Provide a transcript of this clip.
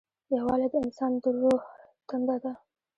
یووالی د انسان د روح تنده ده.